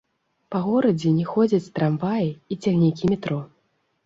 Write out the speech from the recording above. Па горадзе не ходзяць трамваі і цягнікі метро.